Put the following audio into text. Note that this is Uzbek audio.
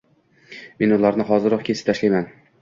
Men ularni hoziroq kesib tashlayman.